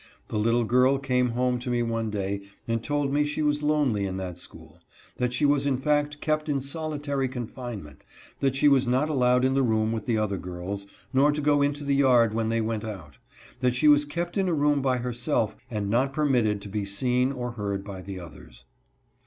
The little girl came home to me one day and told me she was lonely in that school ; that she was in fact kept in soli tary confinement ; that she was not allowed in the room with the other girls, nor to go into the yard when they went out ; that she was kept in a room by herself and not permitted to be seen or heard by the others.